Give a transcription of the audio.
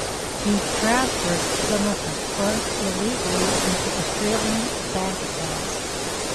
He'd transferred some of the funds illegally into Australian bank accounts.